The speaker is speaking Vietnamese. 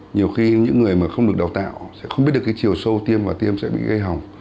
nhiều khi những người mà không được đào tạo sẽ không biết được cái chiều sâu tiêm và tiêm sẽ bị gây hỏng